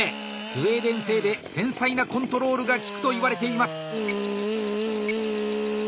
スウェーデン製で繊細なコントロールがきくといわれています！